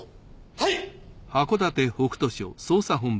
はい！